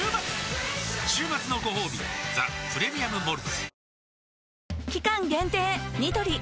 週末のごほうび「ザ・プレミアム・モルツ」